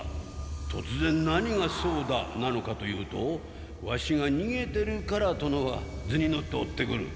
とつぜん何が「そうだ」なのかというとワシがにげてるから殿は図に乗って追ってくる。